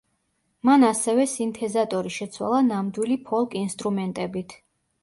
მან ასევე სინთეზატორი შეცვალა ნამდვილი ფოლკ ინსტრუმენტებით.